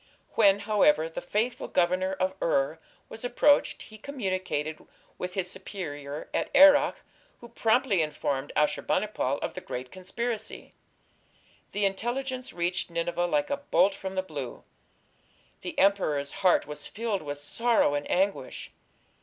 When, however, the faithful governor of Ur was approached, he communicated with his superior at Erech, who promptly informed Ashur bani pal of the great conspiracy. The intelligence reached Nineveh like a bolt from the blue. The emperor's heart was filled with sorrow and anguish.